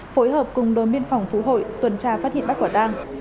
phối hợp cùng đối miên phòng phú hội tuần tra phát hiện bắt quả tang